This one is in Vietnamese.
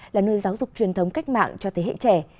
là nơi giáo dục truyền thống cách mạng cho thế hệ trẻ